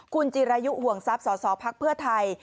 คุณจิรายุหวงทรัพย์สตพไทย